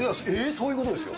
そういうことですよ。